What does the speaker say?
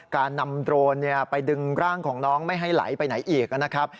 การนำโดรนไปดึงร่างของน้องไม่ให้ไหลไปไหนอีกนะครับ